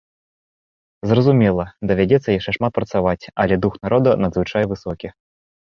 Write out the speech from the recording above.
Зразумела, давядзецца яшчэ шмат працаваць, але дух народа надзвычай высокі.